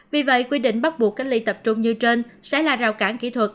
vì vậy quy định bắt buộc cách ly tập trung như trên sẽ là rào cản kỹ thuật